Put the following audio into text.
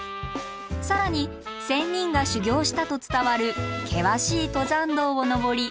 更に仙人が修行したと伝わる険しい登山道を登り山頂へ。